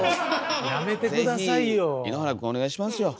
是非井ノ原君お願いしますよ。